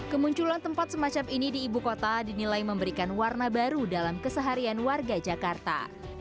kemunculan tempat semacam ini di ibu kota dinilai memberikan warna baru dalam keseharian warga jakarta